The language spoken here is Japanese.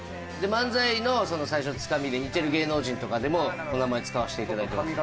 漫才の最初のつかみで似てる芸能人とかでもお名前使わせていただいてます。